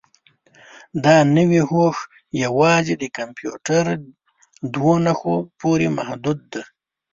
دا نوي هوښ یوازې د کمپیوټر دوو نښو پورې محدود دی.